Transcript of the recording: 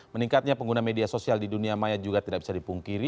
meningkatnya pengguna media sosial di dunia maya juga tidak bisa dipungkiri